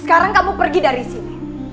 sekarang kamu pergi dari sini